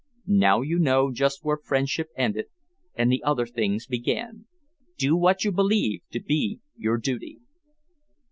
Now you know just where friendship ended and the other things began. Do what you believe to be your duty."